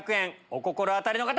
お心当たりの方！